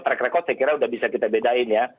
track record saya kira udah bisa kita bedain ya